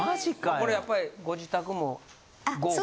これやっぱりご自宅も豪華。